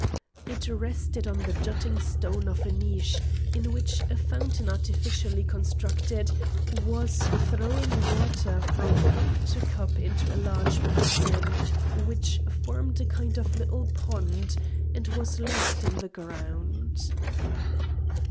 It rested on the jutting stone of a niche, in which a fountain artificially constructed, was throwing water from cup to cup into a large basin, which formed a kind of little pond, and was lost in the ground.